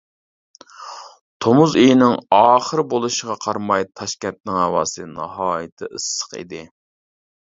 تومۇز ئېيىنىڭ ئاخىرى بولۇشىغا قارىماي تاشكەنتنىڭ ھاۋاسى ناھايىتى ئىسسىق ئىدى.